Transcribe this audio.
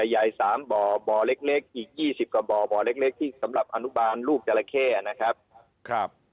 ใหญ่๓บ่อบ่อเล็กอีก๒๐กว่าบ่อบ่อเล็กที่สำหรับอนุบาลลูกจราเข้นะครับ